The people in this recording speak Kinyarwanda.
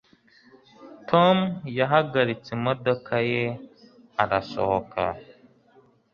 tom yahagaritse imodoka ye arasohoka